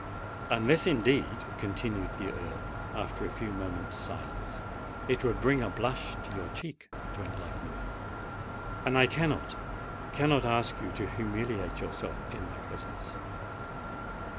"Unless, indeed," continued the Earl, after a few moments' silence, "it would bring a blush to your cheek to enlighten me; and I cannot—cannot ask you to humiliate yourself in my presence!"